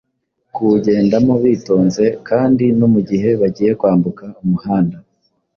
kuwugendamo bitonze kandi no mu gihe bagiye kwambuka umuhanda